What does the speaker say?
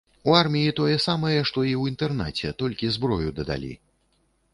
У арміі тое самае, што ў інтэрнаце, толькі зброю дадалі.